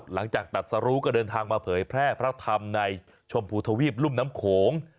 หลังจากตัดสรุก็เดินทางมาเผยแพร่พระธรรมในชมพูทวีปรุ่มน้ำโขง